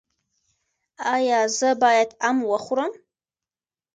ایا زه باید ام وخورم؟